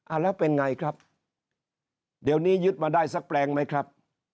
แล้วเป็นไงครับเดี๋ยวนี้ยึดมาได้สักแปลงไหมครับ